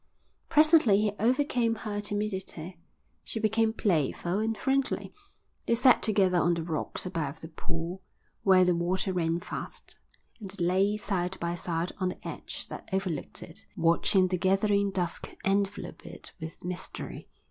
Presently he overcame her timidity. She became playful and friendly. They sat together on the rocks above the pool, where the water ran fast, and they lay side by side on the ledge that overlooked it, watching the gathering dusk envelop it with mystery.